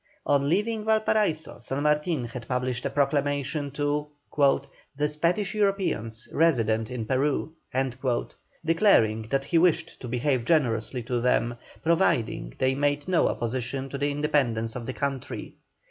On leaving Valparaiso, San Martin had published a proclamation to "The Spanish Europeans resident in Peru," declaring that he wished to behave generously to them, providing they made no opposition to the independence of the country.